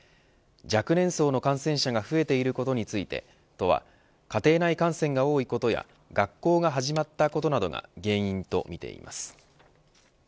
若年層の感染者が増えていることについて都は家庭内感染が多いことや学校が始まったことなどが原因とみています。